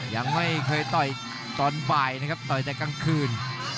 ยังไม่เคยต่อยตอนบ่ายนะครับต่อยแต่กลางคืน